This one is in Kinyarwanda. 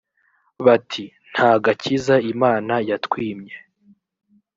bati nta gakiza imana yatwimye